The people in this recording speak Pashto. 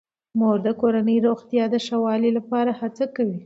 مور د کورنۍ روغتیا د ښه والي لپاره هڅه کوي.